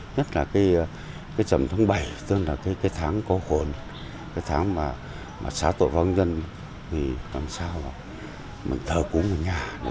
nhất là trầm tháng bảy tương đối với tháng cầu hồn tháng mà xá tội văn nhân